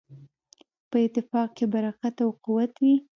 په اتفاق کې برکت او قوت وي.